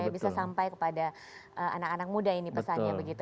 bisa sampai kepada anak anak muda ini pesannya begitu